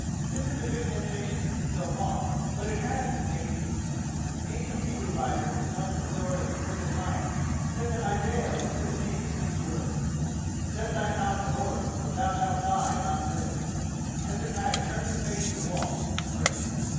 This is a good temptation, so far, but it has its dangers. The ancient Hebrew writer, in telling the story of Hezekiah, said that Isaiah went to the king with these words: "Set thine house in order: for thou shalt die and not live." _And Hezekiah turned his face to the wall and prayed.